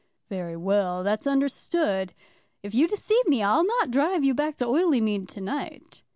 "Very well. That's understood. If you deceive me, I'll not drive you back to Oileymead to night."